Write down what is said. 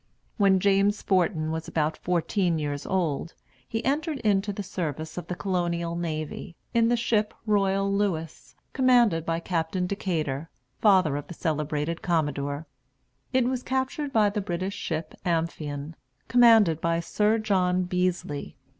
When James Forten was about fourteen years old he entered into the service of the Colonial navy, in the ship Royal Louis, commanded by Captain Decatur, father of the celebrated commodore. It was captured by the British ship Amphion, commanded by Sir John Beezly.